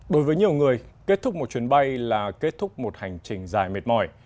đối với nhiều người kết thúc một chuyến bay là kết thúc một hành trình dài mệt mỏi